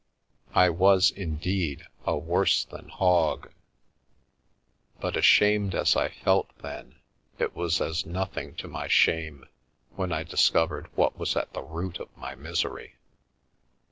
I was, indeed, a worse than hog. But ashamed as I felt then, it was as nothing to my shame when I discovered what was at the root of my misery.